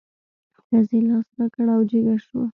ښځې لاس را کړ او جګه شوه.